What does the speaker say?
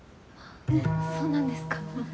そうなんですか。